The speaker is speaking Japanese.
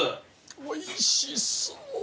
おいしそう。